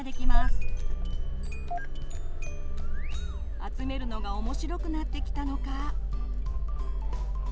集めるのが面白くなってきたのか。